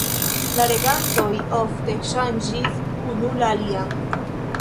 La regantoj ofte ŝanĝis unu la alian.